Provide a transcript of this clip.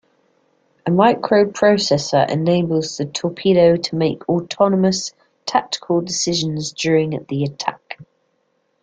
A microprocessor enables the torpedo to make autonomous tactical decisions during the attack.